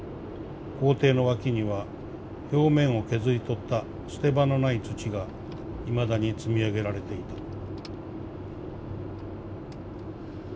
校庭の脇には表面を削り取った捨て場のない土がいまだに積み上げられていた」。